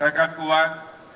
dengan tekan kuat